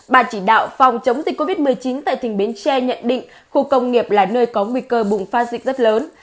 bà chỉ đạo phòng chống dịch covid một mươi chín tại tỉnh bến tre nhận định khu công nghiệp là nơi có nguy cơ bùng phát dịch rất lớn